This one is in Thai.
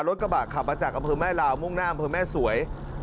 รถกระบะขับมาจากอำเภอแม่ลาวมุ่งหน้าอำเภอแม่สวย